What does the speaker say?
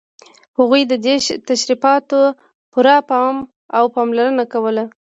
هغوی دې تشریفاتو ته پوره پام او پاملرنه کوله.